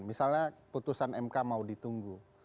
misalnya putusan mk mau ditunggu